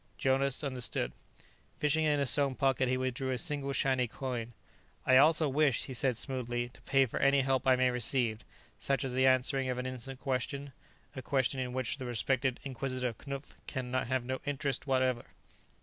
Jonas understood. Fishing in his sewn pocket, he withdrew a single, shiny coin. "I also wish," he said smoothly, "to pay for any help I may receive such as the answering of an innocent question, a question in which the respected Inquisitor Knupf can have no interest whatever."